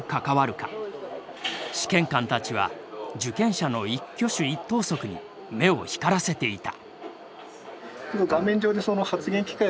試験官たちは受験者の一挙手一投足に目を光らせていた。